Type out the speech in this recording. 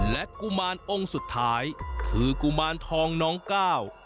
และกุมารองค์สุดท้ายคือกุมารทองน้องก้าว